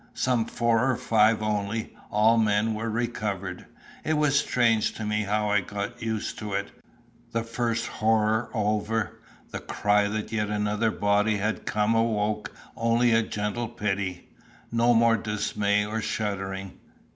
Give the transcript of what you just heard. Some four or five only, all men, were recovered. It was strange to me how I got used to it. The first horror over, the cry that yet another body had come awoke only a gentle pity no more dismay or shuddering.